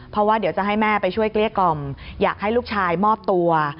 เพราะว่าเดี๋ยวจะให้แม่ไปช่วยเกลี้ยกล่อมอยากให้ลูกชายมอบตัว